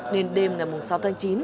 nên đêm ngày sáu tháng chín